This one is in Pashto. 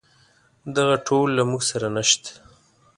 دغه ټول له موږ سره نشته.